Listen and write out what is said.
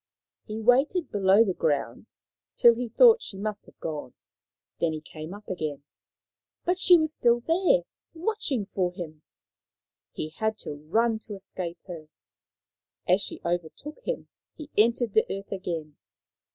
He waited below the ground till he thought she must have gone, then he came up again. But she was still there, watching for him. He had to run to escape her. As she overtook him he entered the earth again.